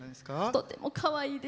とてもかわいいです。